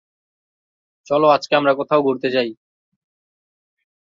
এইসব অনুশাসন বহির্ভূত সকল প্রকার যৌনকর্ম ইসলামী মতে নিষিদ্ধ বা হারাম।